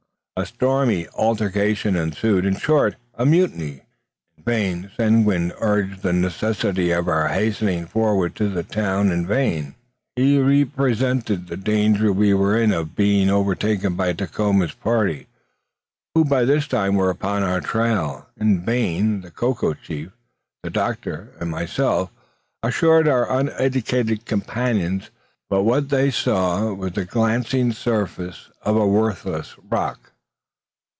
A stormy altercation ensued; in short, a mutiny. In vain Seguin urged the necessity of our hastening forward to the town. In vain he represented the danger we were in of being overtaken by Dacoma's party, who by this time were upon our trail. In vain the Coco chief, the doctor, and myself, assured our uneducated companions that what they saw was but the glancing surface of a worthless rock.